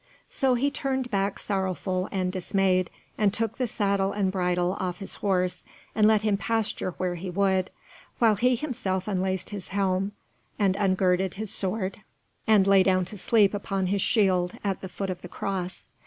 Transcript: So he turned back sorrowful and dismayed, and took the saddle and bridle off his horse, and let him pasture where he would, while he himself unlaced his helm, and ungirded his sword, and lay down to sleep upon his shield, at the foot of the cross.